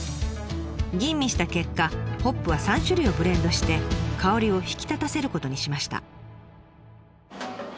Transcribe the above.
吟味した結果ホップは３種類をブレンドして香りを引き立たせることにしました。